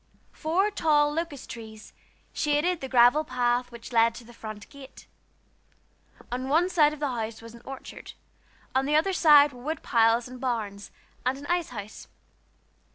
Four tall locust trees shaded the gravel path which led to the front gate. On one side of the house was an orchard; on the other side were wood piles and barns, and an ice house.